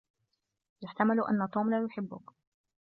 يحتمل أن توم لا يحبك.